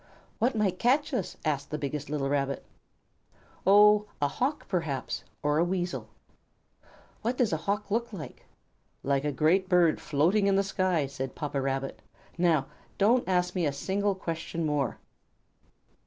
"What might catch us?" asked the biggest little Rabbit. "Oh, a Hawk, perhaps, or a Weasel." "What does a Hawk look like?" "Like a great bird floating in the sky," said Papa Rabbit. "Now, don't ask me a single question more."